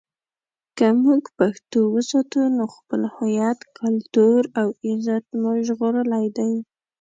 که موږ پښتو وساتو، نو خپل هویت، کلتور او عزت مو ژغورلی دی.